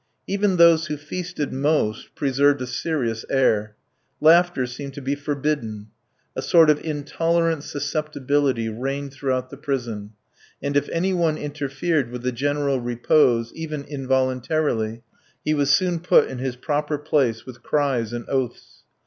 Even those who feasted most preserved a serious air. Laughter seemed to be forbidden. A sort of intolerant susceptibility reigned throughout the prison; and if any one interfered with the general repose, even involuntarily, he was soon put in his proper place, with cries and oaths.